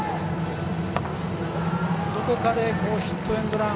どこかでヒットエンドラン